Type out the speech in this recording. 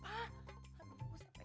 aku pengen tau